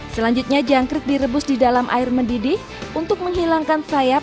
selanjutnya jangkrik direbus di dalam air mendidih untuk menghilangkan sayap